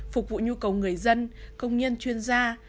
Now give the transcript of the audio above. phục vụ nhu cầu người dân công nhân chuyên gia